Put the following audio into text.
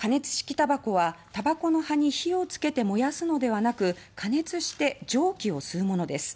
たばこはたばこの葉に火をつけて燃やすのではなく加熱して蒸気を吸うものです。